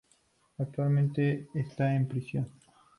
Actualmente esta en prisión.